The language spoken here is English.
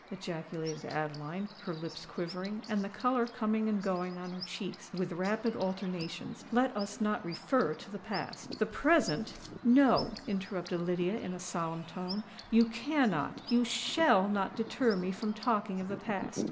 ejaculated Adeline, her lips quivering, and the colour coming and going on her cheeks with rapid alternations. "Let us not refer to the past. The present——" "No," interrupted Lydia, in a solemn tone: "you can not—you shall not deter me from talking of the past.